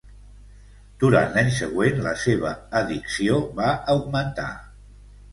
Durant l'any següent, la seva addicció va augmentar.